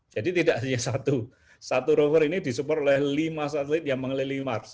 jadi tidak hanya satu satu rover ini disupport oleh lima satelit yang mengelilingi mars